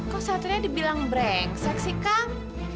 kok satria dibilang brengsek sih kak